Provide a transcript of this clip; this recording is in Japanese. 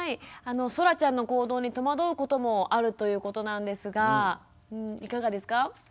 そらちゃんの行動に戸惑うこともあるということなんですがいかがですか？